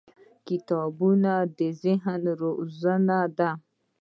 • کتابونه د ذهن وزرونه دي.